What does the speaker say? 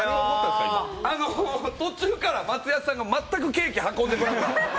途中から松也さんが全くケーキ運んでくれない。